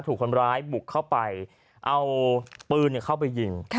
ถูกคนร้ายบุกเข้าไปเอาปืนเข้าไปยิง